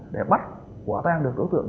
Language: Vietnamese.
để bắt quà tang được đối tượng